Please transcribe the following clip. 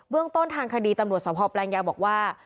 เรื่องต้นทางคดีตำรวจสภแปลงยาวบอกว่า